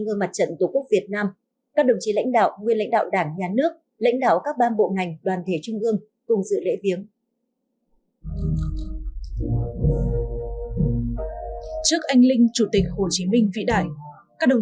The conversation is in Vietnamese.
xin chào các bạn